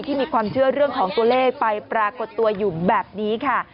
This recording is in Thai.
ที่มีความเชื่อเรื่องของตัวเลขไปปรากฏตัวอยู่แบบนี้ค่ะ